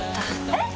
えっ！！